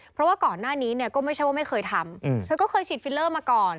เพราะว่าก่อนหน้านี้เนี่ยก็ไม่ใช่ว่าไม่เคยทำเธอก็เคยฉีดฟิลเลอร์มาก่อน